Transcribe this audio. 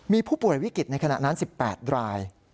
มีผู้ป่วยวิกฤตในขณะนั้น๑๘ราย